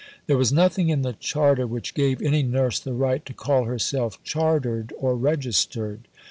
There was nothing in the Charter which gave any nurse the right to call herself "chartered" or "registered."